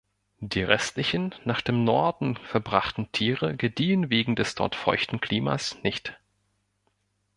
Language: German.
Die restlichen, nach dem Norden verbrachten Tiere gediehen wegen des dort feuchten Klimas nicht.